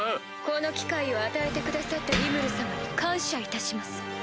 この機会を与えてくださったリムル様に感謝いたします。